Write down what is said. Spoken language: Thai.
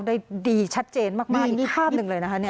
ได้ดีชัดเจนมากมากอีกภาพหนึ่งเลยนะฮะเนี้ย